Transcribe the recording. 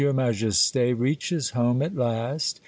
Majesty reaches home at last.